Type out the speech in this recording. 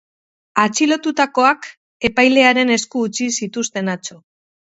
Atxilotutakoak epailearen esku utzi zituzten atzo.